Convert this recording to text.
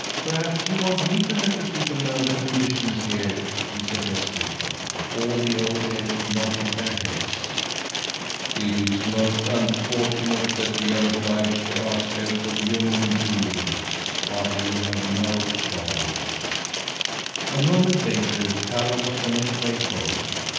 "Perhaps you want me to let the people know the conditions here?" he suggested. All the old elk nodded their heads. "It's most unfortunate that we are obliged to ask help of human beings, but we have no choice." A moment later Karr was on his way home.